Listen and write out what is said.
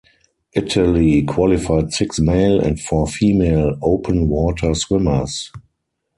Italy qualified six male and four female open water swimmers.